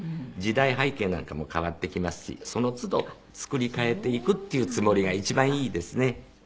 時代背景なんかも変わってきますしその都度作り変えていくっていうつもりが一番いいですね。